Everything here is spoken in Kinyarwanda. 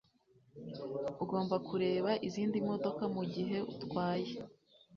Ugomba kureba izindi modoka mugihe utwaye